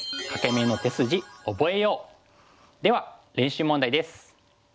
では練習問題です。